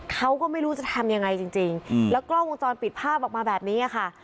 เขาก็ไม่รู้จะทำยังไงจริงแล้วกล้องวงจรปิดภาพออกมาแบบนี้ค่ะ